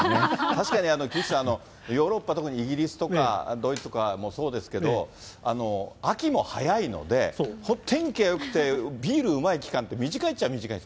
確かに岸さん、ヨーロッパ、とくにイギリスとかドイツとかもそうですけど、秋も早いので、天気がよくて、ビールうまい期間って短いっちゃ短い。